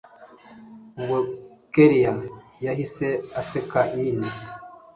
ubwo kellia yahise aseka nyine